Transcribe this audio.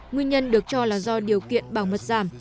nguyên nhân được cho là do điều kiện bảo mật giảm